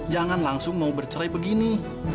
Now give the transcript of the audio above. jangan langsung mau bercerai begini